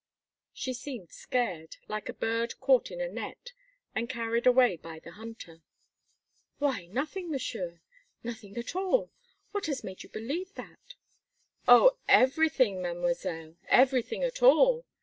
She seemed scared, like a bird caught in a net, and carried away by the hunter. "Why, nothing, Monsieur, nothing at all! What has made you believe that?" "Oh! everything, Mademoiselle, everything at all!